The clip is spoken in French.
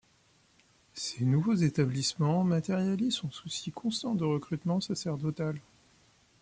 Ces nouveaux établissements matérialisent son souci constant du recrutement sacerdotal.